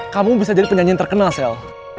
kamu bisa jadi penyanyian terkenal sel